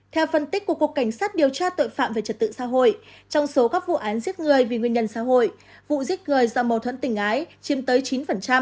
theo phân tích của cục cảnh sát điều tra tội phạm về trật tự xã hội trong số các vụ án giết người vì nguyên nhân xã hội vụ giết người do mâu thuẫn tình ái chiếm tới chín